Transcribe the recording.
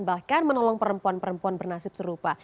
bahkan menolong perempuan perempuan bernasib serupa